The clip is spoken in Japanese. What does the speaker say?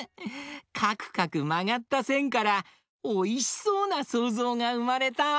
かくかくまがったせんからおいしそうなそうぞうがうまれた！